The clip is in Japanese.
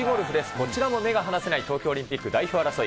こちらも目が離せない東京オリンピック代表争い。